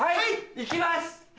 行きます！